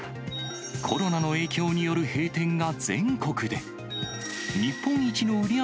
コロナの影響による閉店が全国で。